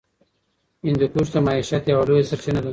هندوکش د معیشت یوه لویه سرچینه ده.